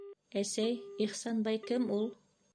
- Әсәй, Ихсанбай кем ул?